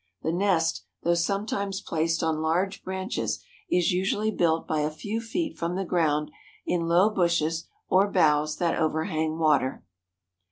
The nest, though sometimes placed on large branches, is usually built but a few feet from the ground in low bushes or boughs that overhang water.